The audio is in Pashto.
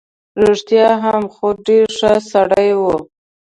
رښتیا هم، خو ډېر ښه سړی وو.